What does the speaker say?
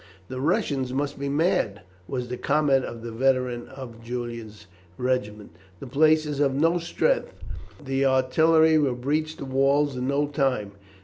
"The Russians must be mad," was the comment of the veterans of Julian's regiment. "The place is of no strength; the artillery will breach the walls in no time.